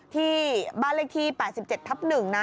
ที่บ้านเลขที่๘๗ทับ๑นะ